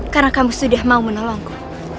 karena kamu sudah mau menolongku